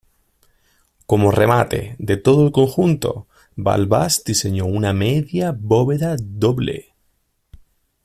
Como remate de todo el conjunto, Balbás diseñó una media bóveda doble.